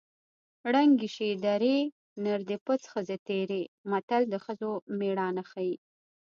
ړنګې شې درې نر دې پڅ ښځې تېرې متل د ښځو مېړانه ښيي